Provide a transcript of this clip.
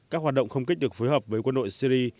các hoạt động không kích được phối hợp với quân đội syri